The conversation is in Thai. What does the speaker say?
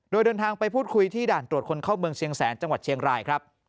โดยเดินทางไปพูดคุยที่ด่านตรวจคนเข้าเมืองเชียงแสนจังหวัดเชียงรายครับ